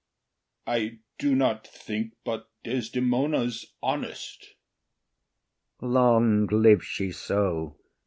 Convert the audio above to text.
I do not think but Desdemona’s honest. IAGO. Long live she so!